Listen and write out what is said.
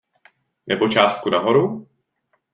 Nebo částku nahoru?